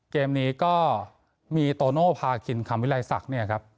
เกมนี้ก็มีโตโน่พาคินคำวิลัยศักดิ์เนี่ยครับ